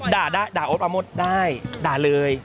ด่าโอ๊ตประโมทได้ด่าเลย